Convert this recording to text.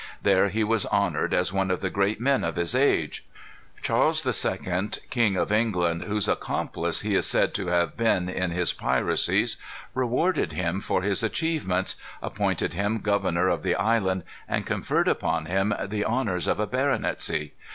There he was honored as one of the great men of his age. Charles II., King of England, whose accomplice he is said to have been in his piracies, rewarded him for his achievements, appointed him governor of the island, and conferred upon him the honors of a baronetcy.